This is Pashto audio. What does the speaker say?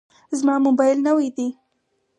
زما موبایل نوی دی.